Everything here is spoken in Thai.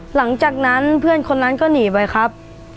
หลังจากนั้นเพื่อนคนนั้นก็หนีไปครับ